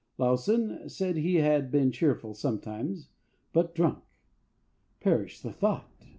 Lowson said he had been cheerful sometimes but, drunk! Perish the thought!